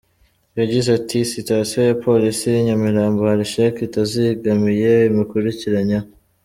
Yagize ati "Sitasiyo ya Polisi y’i Nyamirambo hari sheke itazigamiye imukurikiranyeho.